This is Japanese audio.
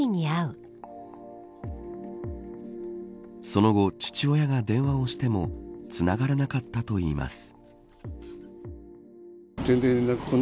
その後、父親が電話をしてもつながらなかったといいます。